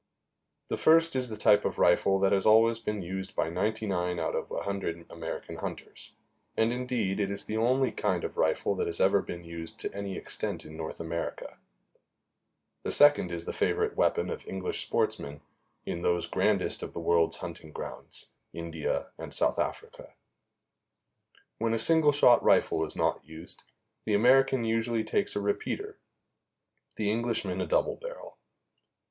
The first is the type of rifle that has always been used by ninety nine out of a hundred American hunters, and indeed it is the only kind of rifle that has ever been used to any extent in North America; the second is the favorite weapon of English sportsmen in those grandest of the world's hunting grounds, India and South Africa. When a single shot rifle is not used, the American usually takes a repeater, the Englishman a double barrel.